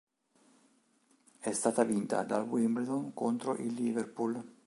È stata vinta dal Wimbledon contro il Liverpool.